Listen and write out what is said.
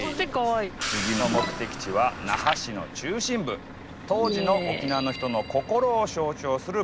次の目的地は那覇市の中心部当時の沖縄の人の心を象徴する場所です。